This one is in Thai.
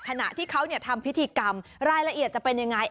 ขณะที่เขาทำพิธีกรรมรายละเอียดจะเป็นยังไง